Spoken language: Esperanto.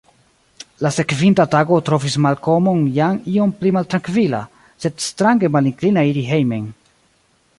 La sekvinta tago trovis Malkomon jam iom pli trankvila, sed strange malinklina iri hejmen.